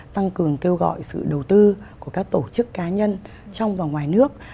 tăng cường kêu gọi sự đầu tư của các tổ chức cá nhân trong và ngoài nước